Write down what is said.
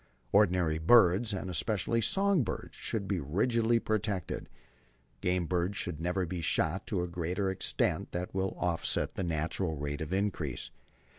Ordinary birds, and especially song birds, should be rigidly protected. Game birds should never be shot to a greater extent than will offset the natural rate of increase.